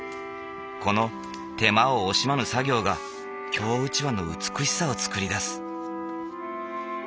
この手間を惜しまぬ作業が京うちわの美しさを作り出す。